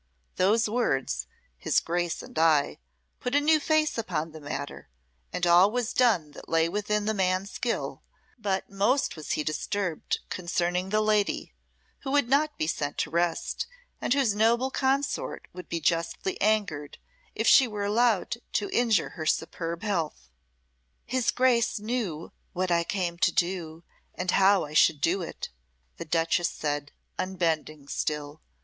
Those words "his Grace and I" put a new face upon the matter, and all was done that lay within the man's skill; but most was he disturbed concerning the lady, who would not be sent to rest, and whose noble consort would be justly angered if she were allowed to injure her superb health. "His Grace knew what I came to do and how I should do it," the duchess said, unbending still.